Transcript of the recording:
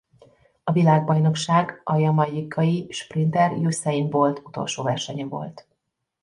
A világbajnokság a jamaicai sprinter Usain Bolt utolsó versenye volt.